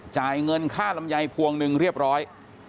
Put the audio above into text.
จ่ายเงินค่าลำไยพวงหนึ่งเรียบร้อย